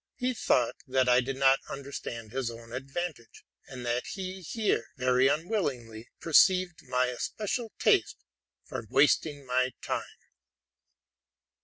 He thought that I did not understand my own advantage, and that he here — very unwillingly — perceived my especial taste for wasting my time.